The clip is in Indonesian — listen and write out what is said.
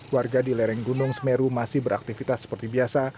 warga di lereng gunung semeru masih beraktivitas seperti biasa